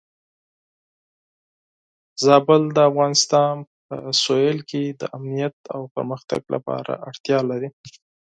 زابل د افغانستان په جنوب کې د امنیت او پرمختګ لپاره اړتیا لري.